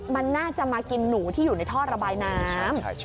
มันน่าจะมากินหนูที่อยู่ในท่อระบายน้ำ